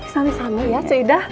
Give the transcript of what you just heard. sama sama ya cik ida